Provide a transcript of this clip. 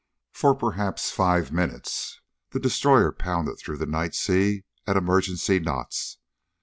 For perhaps five minutes the destroyer pounded through the night sea at emergency knots.